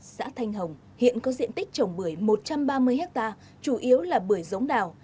xã thanh hồng hiện có diện tích trồng bưởi một trăm ba mươi ha chủ yếu là bưởi giống đào